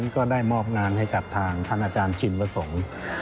ก็ได้มอบงานให้ทางท่านอาจารย์ชิมวศง